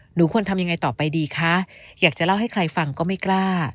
หนูควรทำยังไงต่อไปดีคะอยากจะเล่าให้ใครฟังก็ไม่กล้า